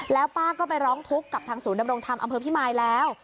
แล้วป้าก็ไปร้องทุกข์กับทางศูนย์ดำรงธรรมอำเภอพิมายแล้ว